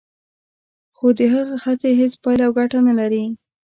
خو د هغه هڅې هیڅ پایله او ګټه نه لري